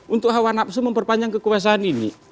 untuk hawa nafsu memperpanjang kekuasaan ini